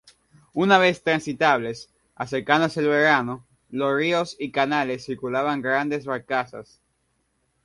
Una vez transitables acercándose el verano, los ríos y canales circulaban grandes barcazas.